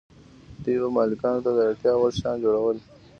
دوی به مالکانو ته د اړتیا وړ شیان جوړول.